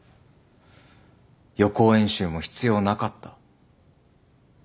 予行演習も必要なかった。